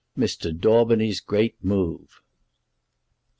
MR. DAUBENY'S GREAT MOVE.